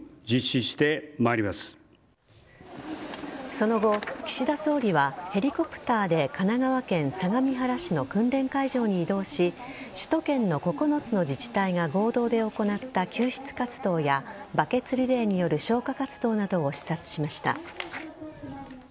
その後岸田総理はヘリコプターで神奈川県相模原市の訓練会場に移動し首都圏の９つの自治体が合同で行った救出活動やバケツリレーによる消火活動などを視察しました。